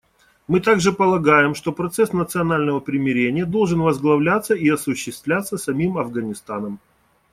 Мы также полагаем, что процесс национального примирения должен возглавляться и осуществляться самим Афганистаном.